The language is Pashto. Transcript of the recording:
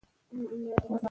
د دماغ شبکې ډېرې پېچلې دي.